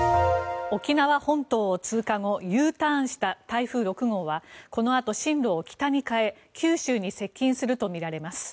沖縄本島を通過後Ｕターンした台風６号はこのあと、進路を北に変え九州に接近するとみられます。